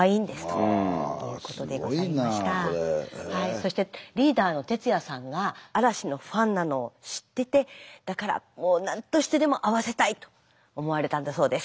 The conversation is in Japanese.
そしてリーダーのてつやさんが嵐のファンなのを知っててだからもうなんとしてでも会わせたいと思われたんだそうです。